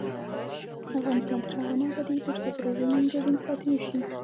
افغانستان تر هغو نه ابادیږي، ترڅو پروژې نیمګړې پاتې نشي.